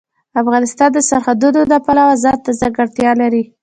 افغانستان د سرحدونه د پلوه ځانته ځانګړتیا لري.